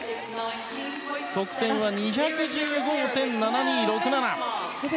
得点は２１５．７２６７。